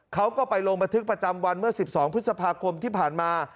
เขาก็ไปลงบันทึกประจำวันเมื่อ๑๒พฤษภาคมที่ผ่านมา